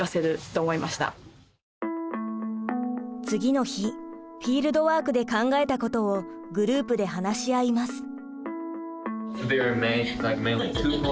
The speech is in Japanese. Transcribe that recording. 次の日フィールドワークで考えたことをグループで話し合います。